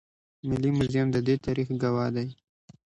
ملي موزیم د دې تاریخ ګواه دی